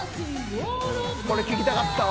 これ聴きたかったわ。